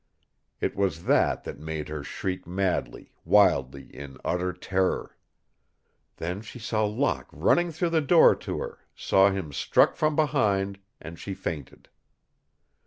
It was that that made her shriek madly, wildly, in utter terror. Then she saw Locke running through the door to her, saw him struck from behind, and she fainted.